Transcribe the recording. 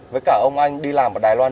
với cả ông anh đi làm ở đài loan